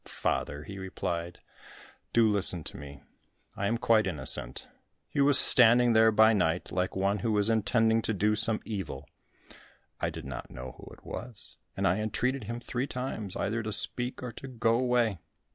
"Father," he replied, "do listen to me. I am quite innocent. He was standing there by night like one who is intending to do some evil. I did not know who it was, and I entreated him three times either to speak or to go away."